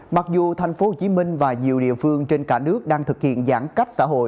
mặc dù thành phố hồ chí minh và nhiều địa phương trên cả nước đang thực hiện giãn cách xã hội